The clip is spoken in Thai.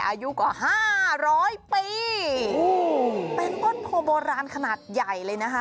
อายุกว่าห้าร้อยปีเป็นต้นโพโบราณขนาดใหญ่เลยนะคะ